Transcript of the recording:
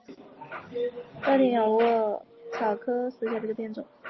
稻田仰卧秆藨草为莎草科藨草属下的一个变种。